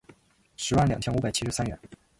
十万两千五百七十三元